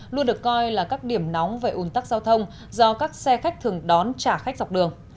luôn được coi là các điểm nóng về ủn tắc giao thông do các xe khách thường đón trả khách dọc đường